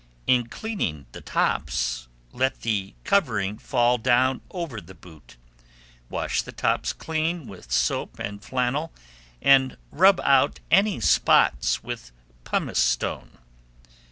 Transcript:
In cleaning the tops, let the covering fall down over the boot; wash the tops clean with soap and flannel, and rub out any spots with pumice stone.